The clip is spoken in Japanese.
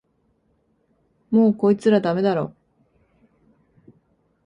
もうこいつらダメだろ